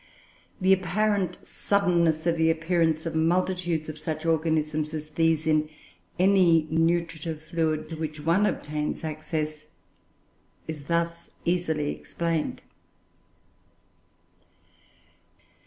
The apparent suddenness of the appearance of multitudes of such organisms as these in any nutritive fluid to which one obtains access is thus easily explained.